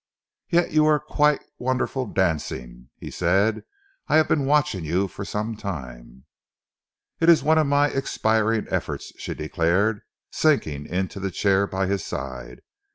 "Yet you are quite wonderful dancing," he said. "I have been watching you for some time." "It is one of my expiring efforts," she declared, sinking into the chair by his side.